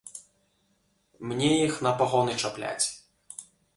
Мне іх на пагоны чапляць!